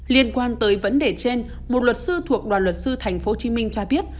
liên quan tới vấn đề trên một luật sư thuộc đoàn luật sư tp hcm cho biết